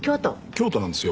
京都なんですよ